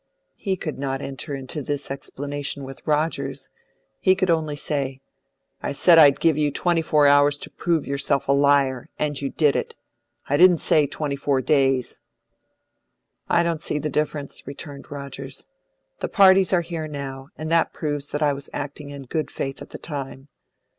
He could not enter into this explanation with Rogers; he could only say, "I said I'd give you twenty four hours to prove yourself a liar, and you did it. I didn't say twenty four days." "I don't see the difference," returned Rogers. "The parties are here now, and that proves that I was acting in good faith at the time.